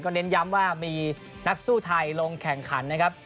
เน้นย้ำว่ามีนักสู้ไทยลงแข่งขันนะครับ